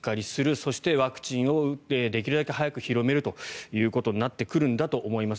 そしてワクチンをできるだけ早く広めるということになってくるんだと思います。